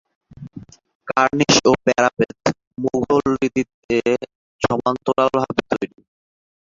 কার্নিশ ও প্যারাপেট মুগলরীতিতে সমান্তরালভাবে তৈরি।